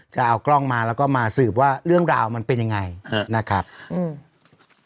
จะเอากล้องมาแล้วก็มาสืบว่าเรื่องราวมันเป็นยังไงเออนะครับอืม